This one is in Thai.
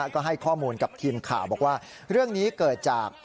ก็ให้ข้อมูลกับทีมข่าวบอกว่าเรื่องนี้เกิดจาก